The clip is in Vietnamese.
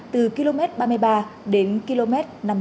từ km ba mươi ba đến km năm mươi